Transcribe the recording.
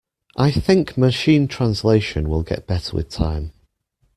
I think Machine Translation will get better with time.